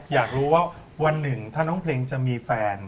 อยากรู้ว่าวันหนึ่งถ้าน้องเพลงจะมีแฟน